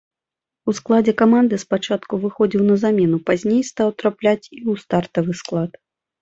У складзе каманды спачатку выхадзіў на замену, пазней стаў трапляць і ў стартавы склад.